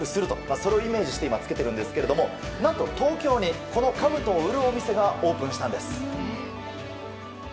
それをイメージして今着けているんですけど東京にこのかぶとを売るお店がオープンしたんです。